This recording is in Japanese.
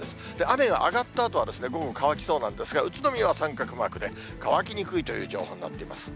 雨が上がったあとは、午後、乾きそうなんですけども、宇都宮は三角マークで、乾きにくいという情報になってます。